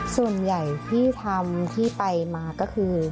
ส่วนใหญ่ที่ทำที่ไปมาก็คือ